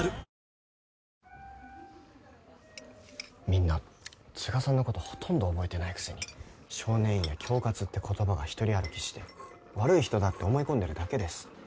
みんな都賀さんのことほとんど覚えてないくせに少年院や恐喝って言葉が独り歩きして悪い人だって思い込んでるだけです。